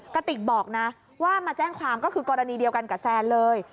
กระติกบอกนะว่ามาแจ้งความก็คือกรณีเดียวกันกับแซนเลย